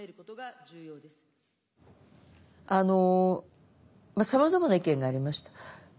あのさまざまな意見がありました。